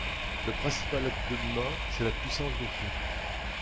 Le principal atout de l'humain, c'est la puissance de feu.